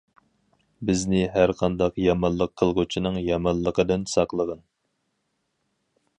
بىزنى ھەرقانداق يامانلىق قىلغۇچىنىڭ يامانلىقىدىن ساقلىغىن.